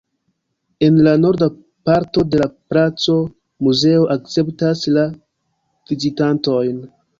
En la norda parto de la placo muzeo akceptas la vizitantojn.